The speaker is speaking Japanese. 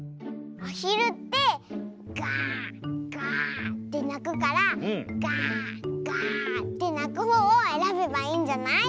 アヒルってガーガーってなくからガーガーってなくほうをえらべばいいんじゃない？